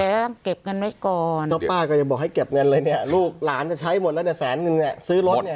ต้องเก็บเงินไว้ก่อนเจ้าป้าก็ยังบอกให้เก็บเงินเลยเนี่ยลูกหลานจะใช้หมดแล้วเนี่ยแสนนึงเนี่ยซื้อรถเนี่ย